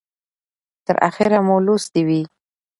که تر اخیره مو لوستې وي